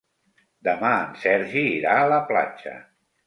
Demà en Sergi irà a la platja.